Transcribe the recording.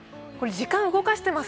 時間を動かします。